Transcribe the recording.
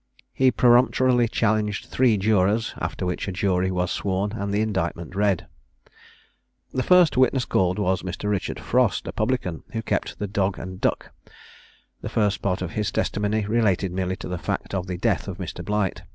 He peremptorily challenged three jurors; after which a jury was sworn, and the indictment read. The first witness called was Mr. Richard Frost, a publican, who kept the Dog and Duck. The first part of his testimony related merely to the fact of the death of Mr. Blight.